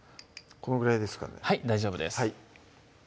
このぐらいですかねはい大丈夫です